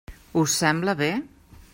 Us sembla bé?